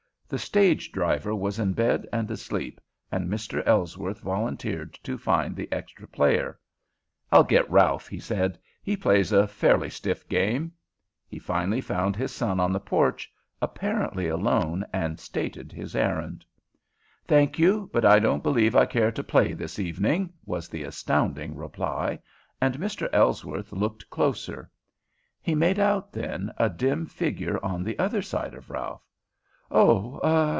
The stage driver was in bed and asleep, and Mr. Ellsworth volunteered to find the extra player. "I'll get Ralph," he said. "He plays a fairly stiff game." He finally found his son on the porch, apparently alone, and stated his errand. "Thank you, but I don't believe I care to play this evening," was the astounding reply, and Mr. Ellsworth looked closer. He made out, then, a dim figure on the other side of Ralph. "Oh!